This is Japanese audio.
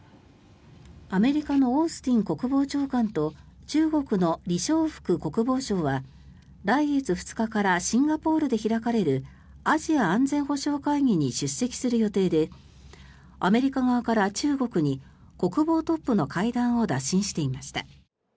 アメリカのオースティン国防長官と中国のリ・ショウフク国防相は来月２日からシンガポールで開かれるアジア安全保障会議に出席する予定でアメリカ側から中国に国防トップの会談を打診していました。